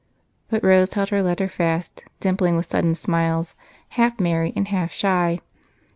But Rose held her letter fast, dimpling with sudden smiles, half merry and half shy.